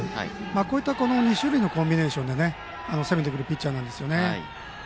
こういった２種類のコンビネーションで攻めてくるピッチャーなんですよね。